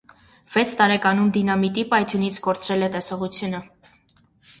Վեց տարեկանում դինամիտի պայթյունից կորցրել է տեսողությունը։